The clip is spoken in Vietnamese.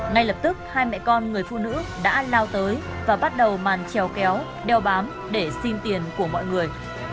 ngay lập tức hai mẹ con người phụ nữ đã lao tới và bắt đầu màn trèo kéo đeo bám để xin tiền của mọi người